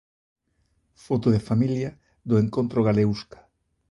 Foto de familia do encontro Galeusca.